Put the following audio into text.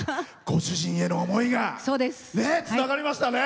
ご主人への思いが伝わりましたね。